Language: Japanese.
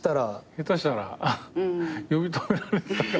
下手したら呼び止められてたかも。